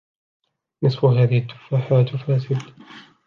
نصف هذه التفاحات فاسد.